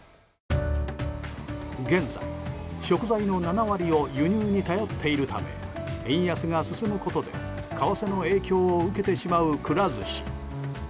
現在、食材の７割を輸入に頼っているため円安が進むことで為替の影響を受けてしまうくら寿司。